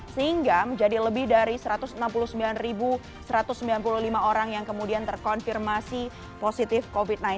sehingga menjadi lebih dari satu ratus enam puluh sembilan satu ratus sembilan puluh lima orang yang kemudian terkonfirmasi positif covid sembilan belas